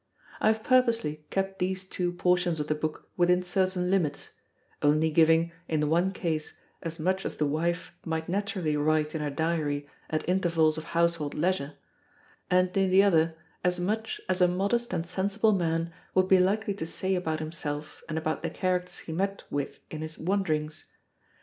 I have purposely kept these two portions of the book within certain limits; only giving, in the one case, as much as the wife might naturally write in her diary at intervals of household leisure; and, in the other, as much as a modest and sensible man would be likely to say about himself and about the characters he met with in his wanderings.